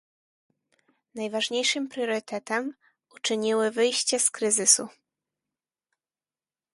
Najważniejszym priorytetem uczyniły wyjście z kryzysu